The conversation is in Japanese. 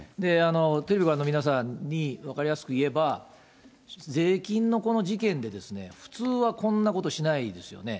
テレビご覧の皆さんに分かりやすく言えば、税金のこの事件で、普通はこんなことしないですよね。